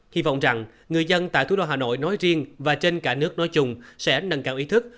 hy vọng rằng người dân tại thủ đô hà nội nói riêng và trên cả nước nói chung sẽ nâng cao ý thức